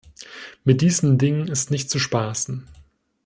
Mit diesen Dingen ist nicht zu spaßen.